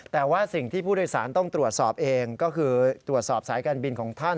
แต่ว่าสิ่งที่ผู้โดยสารต้องตรวจสอบเองก็คือตรวจสอบสายการบินของท่าน